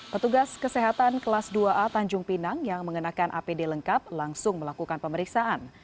petugas kesehatan kelas dua a tanjung pinang yang mengenakan apd lengkap langsung melakukan pemeriksaan